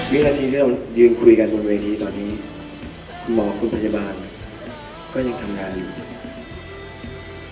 วินาทีที่เรายืนคุยกันบนเวทีตอนนี้หมอคุณพยาบาลก็ยังทำงานอยู่